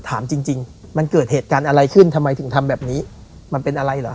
ถามจริงจริงมันเกิดเหตุการณ์อะไรขึ้นทำไมถึงทำแบบนี้มันเป็นอะไรเหรอ